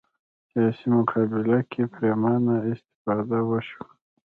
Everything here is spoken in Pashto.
سیاسي مقابله کې پرېمانه استفاده وشوه